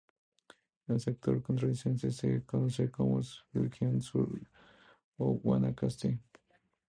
El sector costarricense se conoce como subregión sur o Guanacaste.